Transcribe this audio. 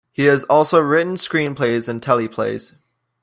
He has also written screenplays and teleplays.